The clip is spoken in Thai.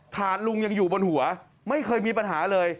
ฐานลุงยังอยู่บนหัวไม่เคยมีปัญหาเลย